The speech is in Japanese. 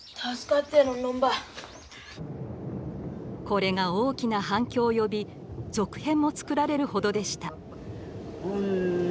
これが大きな反響を呼び続編も作られるほどでした。